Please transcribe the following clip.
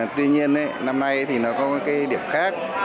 tuy nhiên năm nay thì nó có cái điểm khác